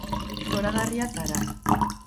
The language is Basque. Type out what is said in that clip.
Zoragarria zara.